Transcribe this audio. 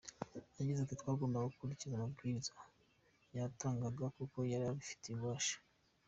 Yagize ati “Twagombaga gukurikiza amabwiriza yatangaga kuko yari abifitiye ububasha.